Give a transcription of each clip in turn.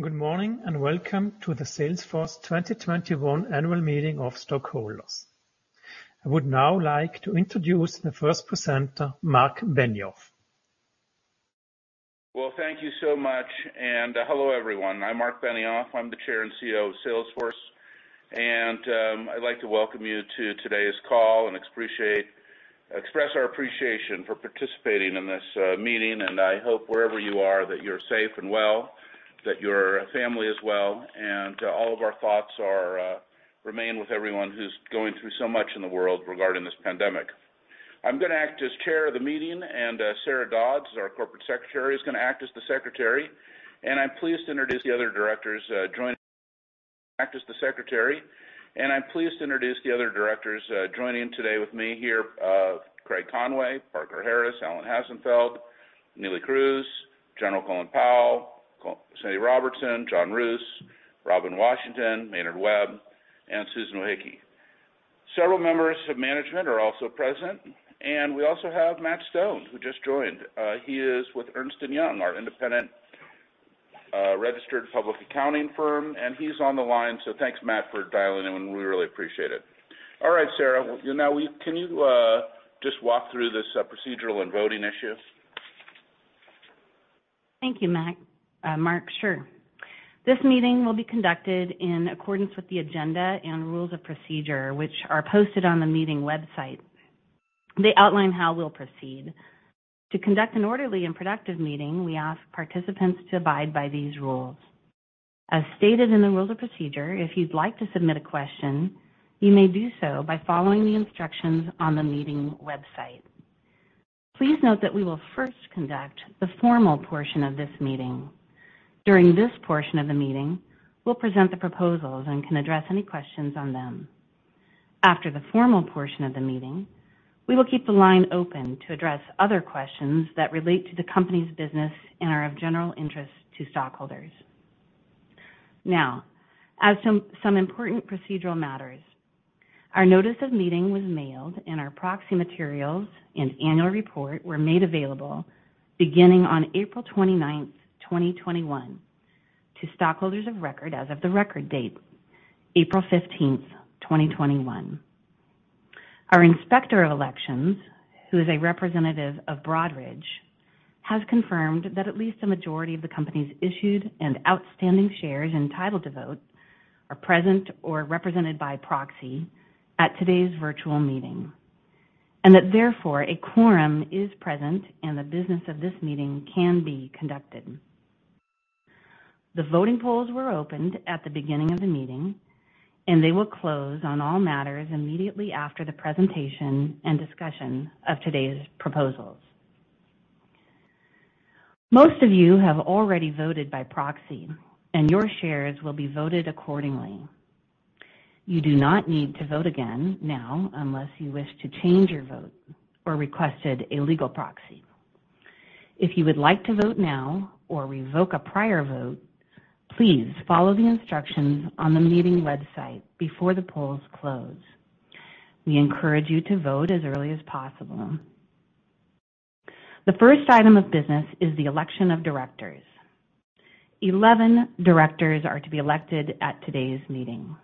Good morning, and welcome to the Salesforce 2021 Annual Meeting of Stockholders. I would now like to introduce the first presenter, Marc Benioff. Well, thank you so much. Hello, everyone. I'm Marc Benioff. I'm the Chair and CEO of Salesforce. I'd like to welcome you to today's call and express our appreciation for participating in this meeting, and I hope wherever you are that you're safe and well, that your family is well, and all of our thoughts remain with everyone who's going through so much in the world regarding this pandemic. I'm going to act as chair of the meeting, and Sarah Dods, our Corporate Secretary, is going to act as the secretary. I'm pleased to introduce the other directors joining today with me here, Craig Conway, Parker Harris, Alan Hassenfeld, Neelie Kroes, General Colin Powell, Sandy Robertson, John Roos, Robin Washington, Maynard Webb, and Susan Wojcicki. Several members of management are also present, and we also have Matt Stone, who just joined. He is with Ernst & Young, our independent registered public accounting firm. He's on the line. Thanks, Matt, for dialing in. We really appreciate it. All right, Sarah. Can you just walk through the procedural and voting issues? Thank you, Marc. Sure. This meeting will be conducted in accordance with the agenda and rules of procedure, which are posted on the meeting website. They outline how we'll proceed. To conduct an orderly and productive meeting, we ask participants to abide by these rules. As stated in the rules of procedure, if you'd like to submit a question, you may do so by following the instructions on the meeting website. Please note that we will first conduct the formal portion of this meeting. During this portion of the meeting, we'll present the proposals and can address any questions on them. After the formal portion of the meeting, we will keep the line open to address other questions that relate to the company's business and are of general interest to stockholders. Now, as to some important procedural matters, our notice of meeting was mailed, and our proxy materials and annual report were made available beginning on April 29th, 2021, to stockholders of record as of the record date, April 15th, 2021. Our Inspector of Elections, who is a representative of Broadridge, has confirmed that at least a majority of the company's issued and outstanding shares entitled to vote are present or represented by proxy at today's virtual meeting, and that therefore a quorum is present and the business of this meeting can be conducted. The voting polls were opened at the beginning of the meeting, and they will close on all matters immediately after the presentation and discussion of today's proposals. Most of you have already voted by proxy, and your shares will be voted accordingly. You do not need to vote again now unless you wish to change your vote or requested a legal proxy. If you would like to vote now or revoke a prior vote, please follow the instructions on the meeting website before the polls close. We encourage you to vote as early as possible. The first item of business is the election of directors. 11 directors are to be elected at today's meeting.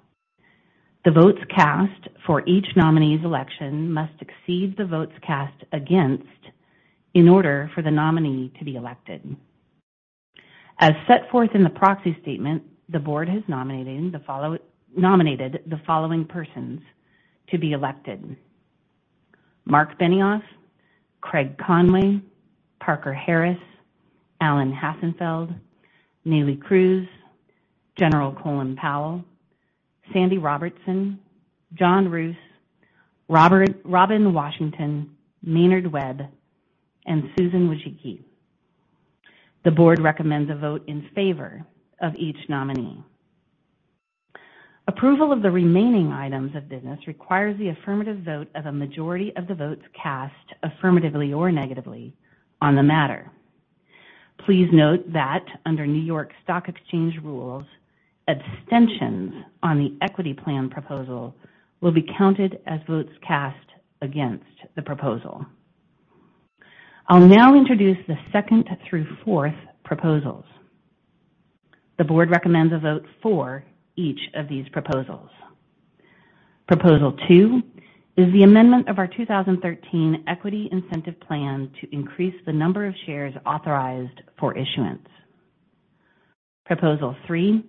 The votes cast for each nominee's election must exceed the votes cast against in order for the nominee to be elected. As set forth in the proxy statement, the board has nominated the following persons to be elected: Marc Benioff, Craig Conway, Parker Harris, Alan Hassenfeld, Neelie Kroes, General Colin Powell, Sandy Robertson, John Roos, Robin Washington, Maynard Webb, and Susan Wojcicki. The board recommends a vote in favor of each nominee. Approval of the remaining items of business requires the affirmative vote of a majority of the votes cast affirmatively or negatively on the matter. Please note that under New York Stock Exchange rules, abstentions on the equity plan proposal will be counted as votes cast against the proposal. I'll now introduce the second through fourth proposals. The board recommends a vote for each of these proposals. Proposal 2 is the amendment of our 2013 Equity Incentive Plan to increase the number of shares authorized for issuance. Proposal 3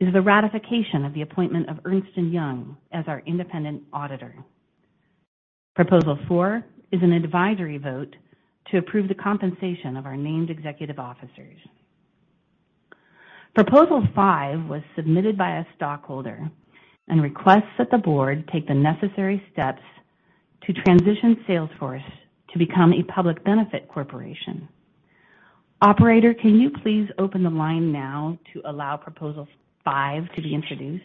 is the ratification of the appointment of Ernst & Young as our independent auditor. Proposal 4 is an advisory vote to approve the compensation of our named executive officers. Proposal 5 was submitted by a stockholder and requests that the board take the necessary steps to transition Salesforce to become a public benefit corporation. Operator, can you please open the line now to allow proposal 5 to be introduced?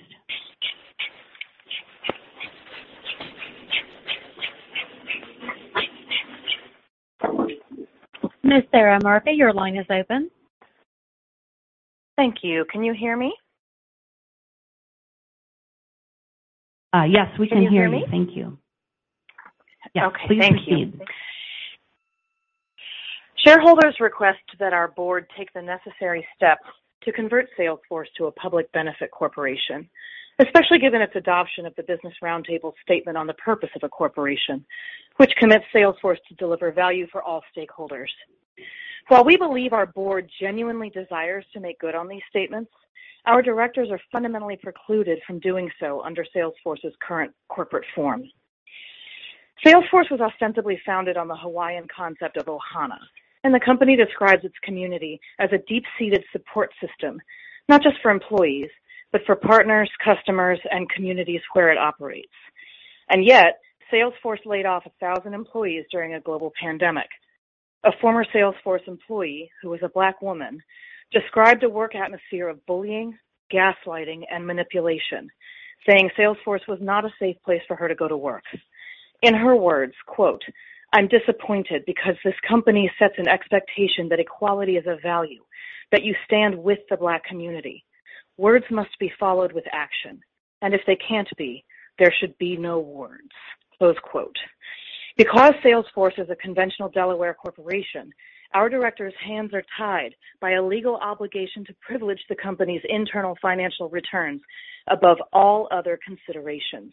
Ms. Sara Murphy, your line is open. Thank you. Can you hear me? Yes, we can hear you. Thank you. Yeah please proceed. Shareholders request that our board take the necessary steps to convert Salesforce to a public benefit corporation, especially given its adoption of the Business Roundtable statement on the purpose of a corporation, which commits Salesforce to deliver value for all stakeholders. While we believe our board genuinely desires to make good on these statements, our directors are fundamentally precluded from doing so under Salesforce's current corporate form. Salesforce was ostensibly founded on the Hawaiian concept of Ohana, and the company describes its community as a deep-seated support system, not just for employees, but for partners, customers, and communities where it operates. Yet, Salesforce laid off 1,000 employees during a global pandemic. A former Salesforce employee, who was a Black woman, described a work atmosphere of bullying, gaslighting, and manipulation, saying Salesforce was not a safe place for her to go to work. In her words, quote, "I'm disappointed because this company sets an expectation that equality is a value, that you stand with the Black community. Words must be followed with action, and if they can't be, there should be no words." Close quote. Because Salesforce is a conventional Delaware corporation, our directors' hands are tied by a legal obligation to privilege the company's internal financial returns above all other considerations.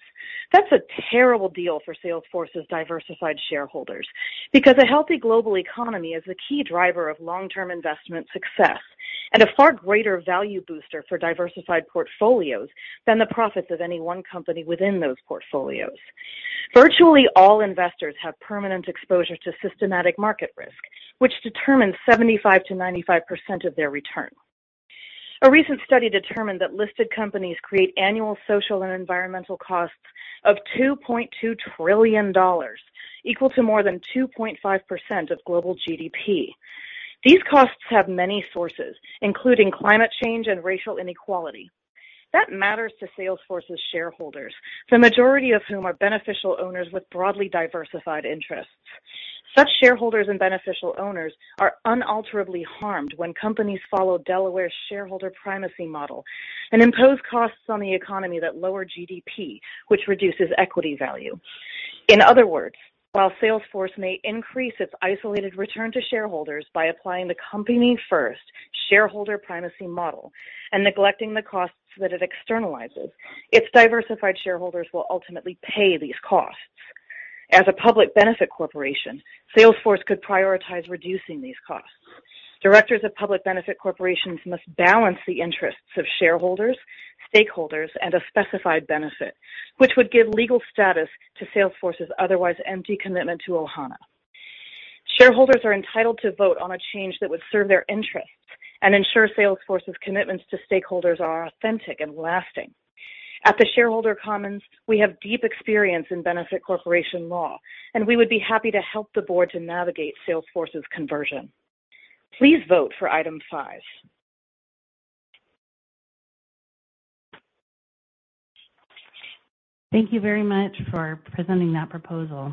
That's a terrible deal for Salesforce's diversified shareholders because a healthy global economy is a key driver of long-term investment success and a far greater value booster for diversified portfolios than the profits of any one company within those portfolios. Virtually all investors have permanent exposure to systematic market risk, which determines 75%-95% of their return. A recent study determined that listed companies create annual social and environmental costs of $2.2 trillion, equal to more than 2.5% of global GDP. These costs have many sources, including climate change and racial inequality. That matters to Salesforce's shareholders, the majority of whom are beneficial owners with broadly diversified interests. Such shareholders and beneficial owners are unalterably harmed when companies follow Delaware's shareholder primacy model and impose costs on the economy that lower GDP, which reduces equity value. In other words, while Salesforce may increase its isolated return to shareholders by applying the company-first shareholder primacy model and neglecting the costs that it externalizes, its diversified shareholders will ultimately pay these costs. As a public benefit corporation, Salesforce could prioritize reducing these costs. Directors of public benefit corporations must balance the interests of shareholders, stakeholders, and a specified benefit, which would give legal status to Salesforce's otherwise empty commitment to Ohana. Shareholders are entitled to vote on a change that would serve their interests and ensure Salesforce's commitments to stakeholders are authentic and lasting. At The Shareholder Commons, we have deep experience in benefit corporation law, and we would be happy to help the board to navigate Salesforce's conversion. Please vote for item 5. Thank you very much for presenting that proposal.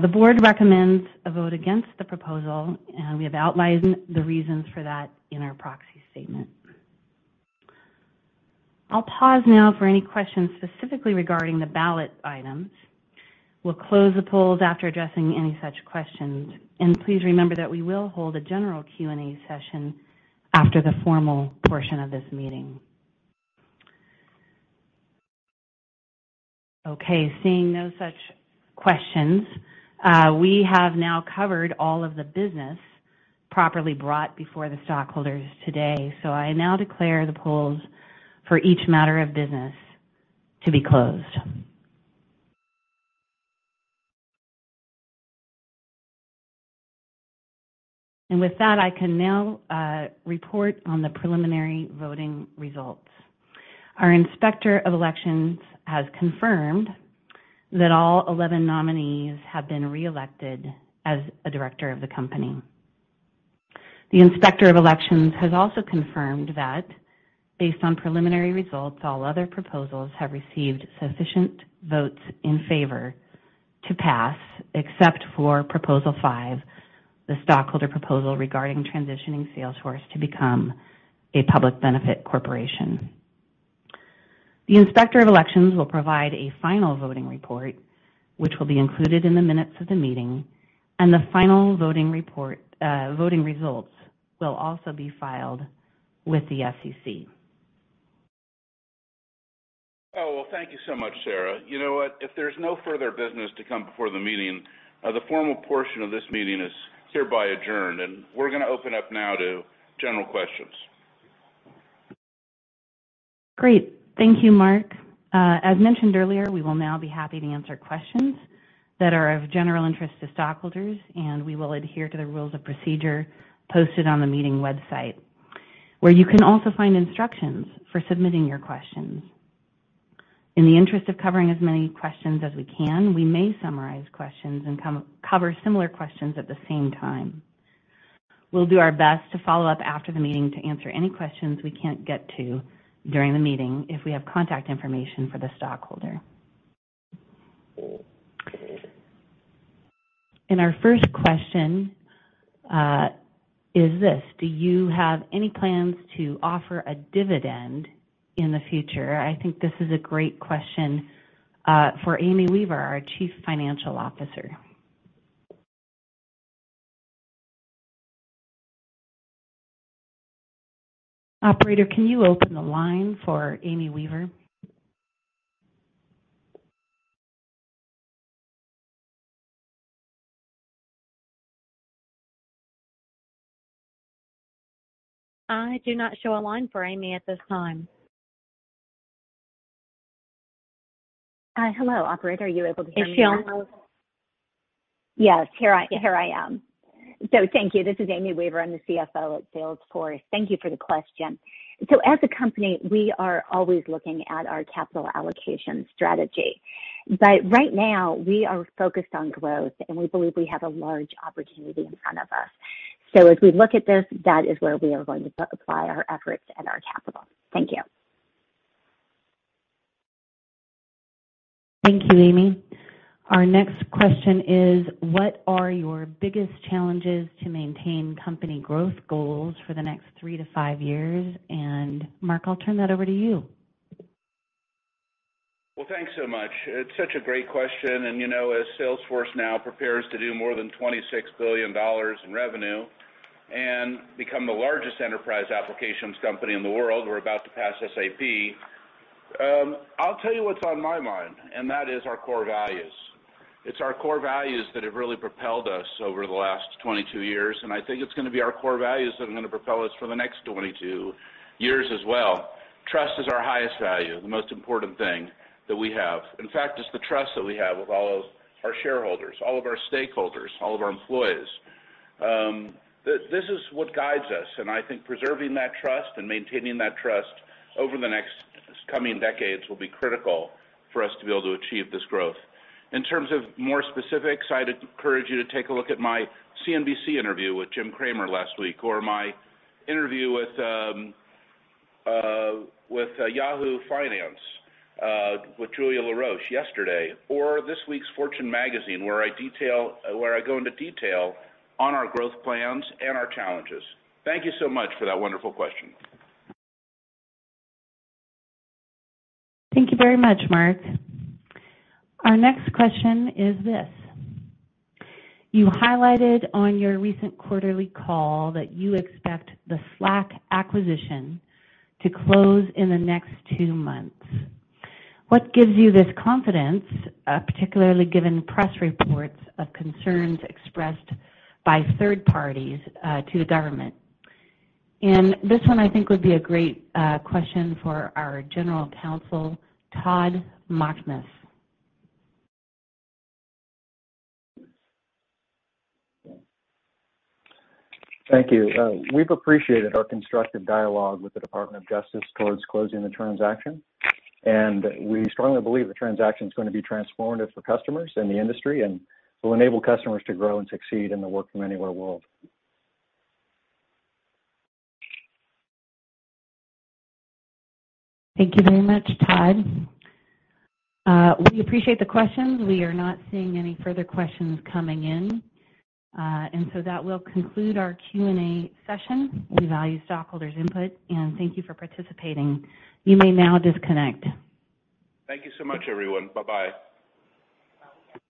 The board recommends a vote against the proposal, and we've outlined the reasons for that in our proxy statement. I'll pause now for any questions specifically regarding the ballot items. We'll close the polls after addressing any such questions. Please remember that we will hold a general Q&A session after the formal portion of this meeting. Okay, seeing no such questions, we have now covered all of the business properly brought before the stockholders today. I now declare the polls for each matter of business to be closed. With that, I can now report on the preliminary voting results. Our Inspector of Elections has confirmed that all 11 nominees have been reelected as a director of the company. The Inspector of Elections has also confirmed that based on preliminary results, all other proposals have received sufficient votes in favor to pass, except for Proposal 5, the stockholder proposal regarding transitioning Salesforce to become a public benefit corporation. The Inspector of Elections will provide a final voting report, which will be included in the minutes of the meeting, and the final voting results will also be filed with the SEC. Oh, well, thank you so much, Sarah. You know what? If there's no further business to come before the meeting, the formal portion of this meeting is hereby adjourned. We're going to open up now to general questions. Great. Thank you, Marc. As mentioned earlier, we will now be happy to answer questions that are of general interest to stockholders. We will adhere to the rules of procedure posted on the meeting website, where you can also find instructions for submitting your questions. In the interest of covering as many questions as we can, we may summarize questions and cover similar questions at the same time. We'll do our best to follow up after the meeting to answer any questions we can't get to during the meeting if we have contact information for the stockholder. Our first question is this: Do you have any plans to offer a dividend in the future? I think this is a great question for Amy Weaver, our Chief Financial Officer. Operator, can you open the line for Amy Weaver? I do not show a line for Amy at this time. Hello, operator. Are you able to-. Yes. Here I am. Thank you. This is Amy Weaver, I'm the CFO at Salesforce. Thank you for the question. As a company, we are always looking at our capital allocation strategy. Right now we are focused on growth, and we believe we have a large opportunity in front of us. As we look at this, that is where we are going to apply our efforts and our capital. Thank you. Thank you, Amy. Our next question is: What are your biggest challenges to maintain company growth goals for the next three to five years? Marc, I'll turn that over to you. Well, thanks so much. It's such a great question, and as Salesforce now prepares to do more than $26 billion in revenue and become the largest enterprise applications company in the world, we're about to pass SAP. I'll tell you what's on my mind, and that is our core values. It's our core values that have really propelled us over the last 22 years, and I think it's going to be our core values that are going to propel us for the next 22 years as well. Trust is our highest value, the most important thing that we have. In fact, it's the trust that we have with all of our shareholders, all of our stakeholders, all of our employees. This is what guides us, and I think preserving that trust and maintaining that trust over the next coming decades will be critical for us to be able to achieve this growth. In terms of more specifics, I'd encourage you to take a look at my CNBC interview with Jim Cramer last week, or my interview with Yahoo Finance with Julia La Roche yesterday, or this week's Fortune Magazine, where I go into detail on our growth plans and our challenges. Thank you so much for that wonderful question. Thank you very much, Marc. Our next question is this: You highlighted on your recent quarterly call that you expect the Slack acquisition to close in the next two months. What gives you this confidence, particularly given press reports of concerns expressed by third parties to the government? This one, I think, would be a great question for our General Counsel, Todd Machtmes. Thank you. We've appreciated our constructive dialogue with the Department of Justice towards closing the transaction. We strongly believe the transaction is going to be transformative for customers and the industry and will enable customers to grow and succeed in the work-from-anywhere world. Thank you very much, Todd. We appreciate the questions. We are not seeing any further questions coming in. That will conclude our Q&A session. We value stockholders' input, and thank you for participating. You may now disconnect. Thank you so much, everyone. Bye-bye.